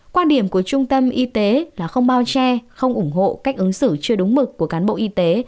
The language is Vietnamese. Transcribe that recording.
quan điểm của trung tâm y tế là không bao che không ủng hộ cách ứng xử chưa đúng mực của cán bộ y tế